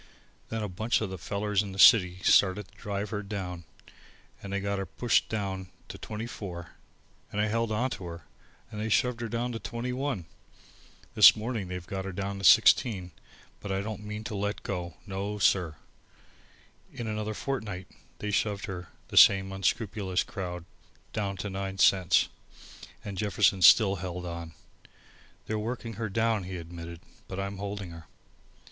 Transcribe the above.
Then a bunch of these fellers in the city started to drive her down and they got her pushed down to twenty four, and I held on to her and they shoved her down to twenty one. This morning they've got her down to sixteen, but I don't mean to let go. No, sir." In another fortnight they shoved her, the same unscrupulous crowd, down to nine cents, and Jefferson still held on. "They're working her down," he admitted, "but I'm holding her."